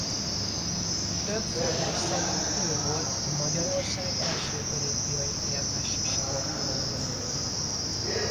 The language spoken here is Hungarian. Több forrás szerint ő volt Magyarország első olimpiai érmes sportolója.